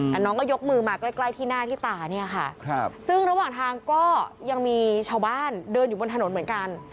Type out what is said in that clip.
แต่น้องก็ยกมือมาใกล้ที่หน้าที่ตาเนี่ยค่ะซึ่งระหว่างทางก็ยังมีชาวบ้านเดินอยู่บนถนนเหมือนกัน